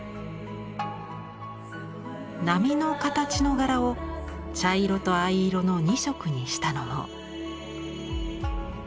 波の形の柄を茶色と藍色の２色にしたのも。